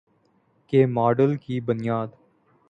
کے ماڈل کی بنیاد